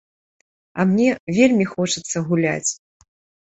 А мне вельмі хочацца гуляць.